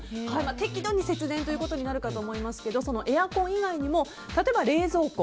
適度に節電ということになるかと思いますがエアコン以外にも例えば冷蔵庫。